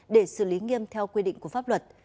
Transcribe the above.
để xử lý nghiêm theo quy định của pháp luật